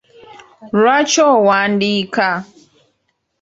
Lwaki owandiika?